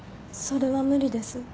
それは無理です。